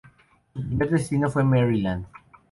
Su primer destino fue Maryland.